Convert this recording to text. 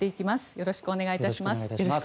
よろしくお願いします。